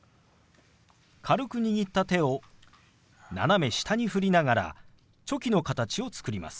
軽く握った手を斜め下に振りながらチョキの形を作ります。